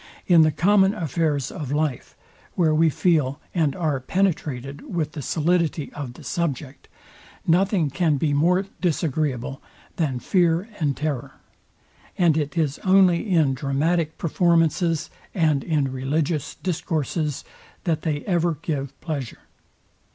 In the common affairs of life, where we feel and are penetrated with the solidity of the subject, nothing can be more disagreeable than fear and terror; and it is only in dramatic performances and in religious discourses, that they ever give pleasure.